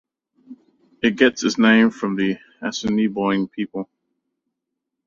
It gets its name from the Assiniboine people.